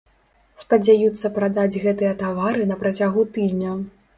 Спадзяюцца прадаць гэтыя тавары на працягу тыдня.